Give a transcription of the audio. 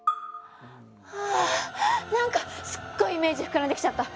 あ何かすっごいイメージ膨らんできちゃった！